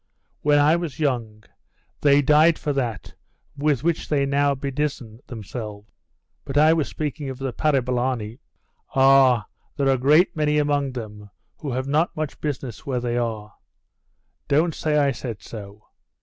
When I was young they died for that with which they now bedizen themselves.' 'But I was speaking of the parabolani.' 'Ah, there are a great many among them who have not much business where they are. Don't say I said so.